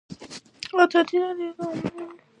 ازادي راډیو د اټومي انرژي د پراختیا اړتیاوې تشریح کړي.